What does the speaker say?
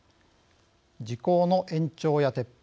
時効の延長や撤廃。